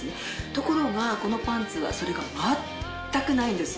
ところがこのパンツはそれが全くないんです。